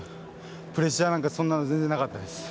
プレッシャーとかそんなの全然なかったです。